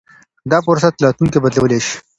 دا فرصت راتلونکی بدلولای شي.